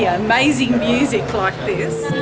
saya sangat senang dengan musik ini